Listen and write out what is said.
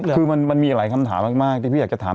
คือมันมีหลายคำถามมากที่พี่อยากจะถาม